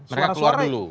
mereka keluar dulu